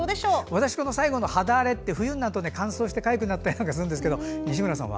私、最後の肌荒れって冬になると乾燥してかゆくなったりするんですが西村さんは？